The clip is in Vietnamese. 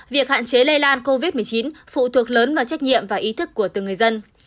việc hạn chế lây lan covid một mươi chín phụ thuộc lớn vào trách nhiệm và ý thức của từng người dân